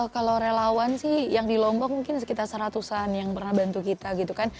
kalau relawan sih yang di lombok mungkin sekitar seratusan yang pernah bantu kita gitu kan